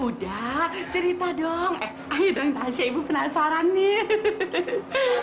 udah cerita dong eh ayo dong nasi ibu penasaran nih